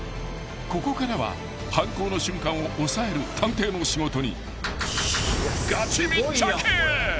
［ここからは犯行の瞬間を押さえる探偵の仕事に］